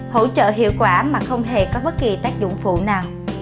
hỗ trợ hiệu quả mà không hề có bất kỳ tác dụng phụ nào